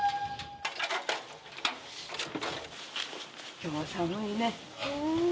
今日は寒いね。